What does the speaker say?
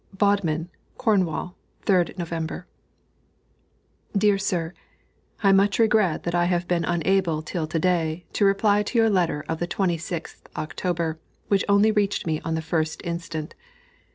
BODMIN, CORNWALL, 3d November. DEAR SIR: I much regret that I have been unable till to day to reply to your letter of the 26th October, which only reached me on the 1st inst.